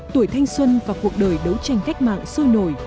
tuổi thanh xuân và cuộc đời đấu tranh cách mạng sôi nổi